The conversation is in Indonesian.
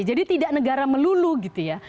jadi tidak negara melulu gitu ya